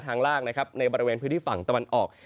ทางล่างนะครับในบริเวณพื้นที่ฝั่งตะวันออก